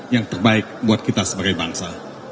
yang terbaik buat kita sebagai bangsa